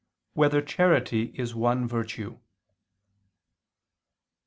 5] Whether Charity Is One Virtue?